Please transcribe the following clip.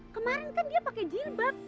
kemarin kan dia pakai jilbab